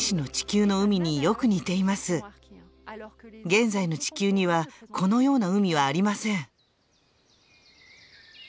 現在の地球にはこのような海はありません。